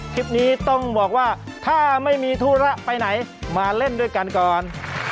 คลิปนี้ต้องบอกว่าถ้าไม่มีธุระไปไหนมาเล่นด้วยกันก่อน